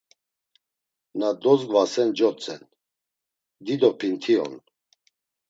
Na dodzgvasen cotzen. Dido pinti on.